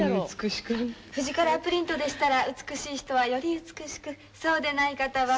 フジカラープリントでしたら美しい人はより美しくそうでない方は。